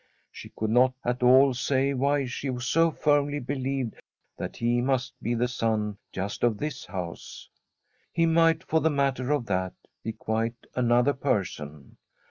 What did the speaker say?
She could not at all say why she so firmly believed that he must be the son just of this house. He might, for the matter of that, be quite another person.